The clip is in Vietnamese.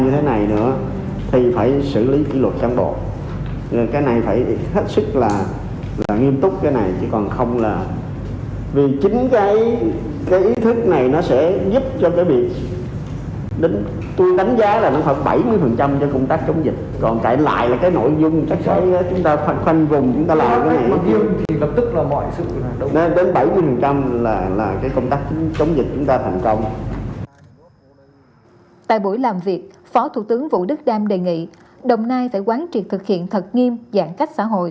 tại buổi làm việc phó thủ tướng vũ đức đam đề nghị đồng nai phải quán triệt thực hiện thật nghiêm giãn cách xã hội